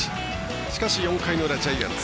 しかし、４回の裏、ジャイアンツ。